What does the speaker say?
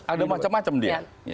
ada macam macam dia